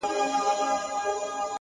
دا چا ويل چي له هيواده سره شپې نه كوم!!